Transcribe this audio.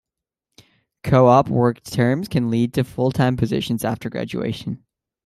C-op work terms can lead to full-time positions after graduation.